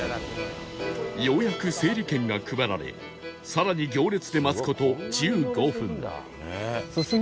ようやく整理券が配られ更に行列で待つ事１５分